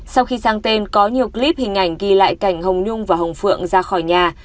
sau khi sang tên có nhiều clip hình ảnh ghi lại cảnh hồng nhung và hồng phượng ra khỏi nhà